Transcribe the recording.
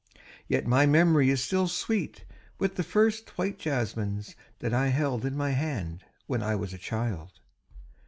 Yet my memory is still sweet with the first white jasmines that I held in my hand when I was a child.